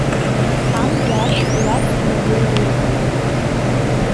Амза ашьха иавҵны агылара иаҿуп.